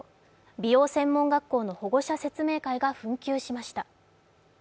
美容専門学校の保護者説明会が紛糾しました。